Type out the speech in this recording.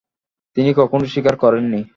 তিনি কখনও স্বীকার করেননি।